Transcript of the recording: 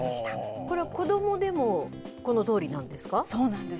これ子どもでもこのとおりなんですか。